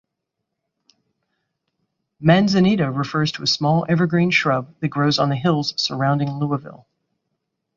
Manzanita refers to a small evergreen shrub that grows on the hills surrounding Louisville.